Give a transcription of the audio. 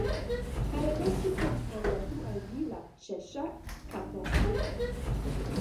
Permesu ke mi prezentu al vi la Ĉeŝŝa Katon.